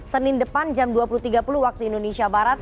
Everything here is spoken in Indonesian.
senin depan jam dua puluh tiga puluh waktu indonesia barat